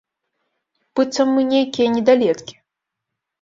Быццам мы нейкія недалеткі!